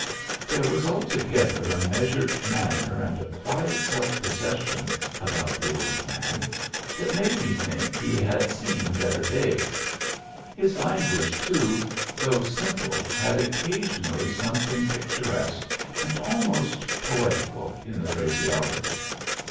There was altogether a measured manner and a quiet self possession about the old man that made me think he had seen better days ; his language, too, though simple, had occasionally something picturesque and almost poetical in the phraseology.